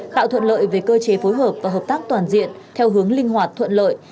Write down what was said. tạo thuận lợi về cơ chế phối hợp và hợp tác toàn diện theo hướng linh hoạt thuận lợi